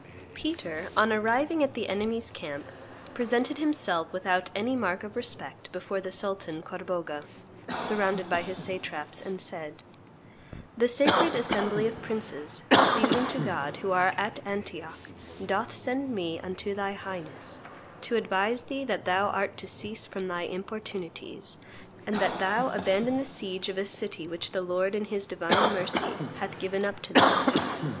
Peter, on arriving at the enemy's camp, presented himself without any mark of respect before the Sultan, Corbogha, surrounded by his satraps, and said, "The sacred assembly of princes pleasing to God who are at Antioch doth send me unto thy Highness, to advise thee that thou art to cease from thy importunities, and that thou abandon the siege of a city which the Lord in His divine mercy hath given up to them.